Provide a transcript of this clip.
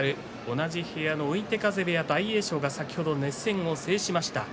同じ部屋の追手風部屋、大栄翔が先ほど熱戦を制しました。